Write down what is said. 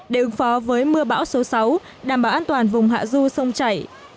để ứng phó với mưa bão số sáu đảm bảo an toàn vùng hạ du sông chảy